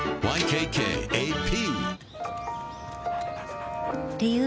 ＹＫＫＡＰ